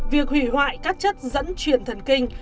việc hủy hoại các chất dẫn truyền thần kinh